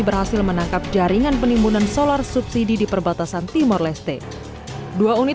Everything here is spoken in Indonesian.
berhasil menangkap jaringan penimbunan solar subsidi di perbatasan timor leste dua unit